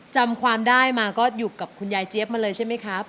จำความได้มาก็อยู่กับคุณยายเจี๊ยบมาเลยใช่ไหมครับ